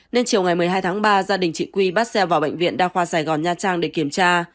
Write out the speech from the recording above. nên chiều ngày một mươi hai tháng ba gia đình chị quy bắt xe vào bệnh viện đa khoa sài gòn nha trang để kiểm tra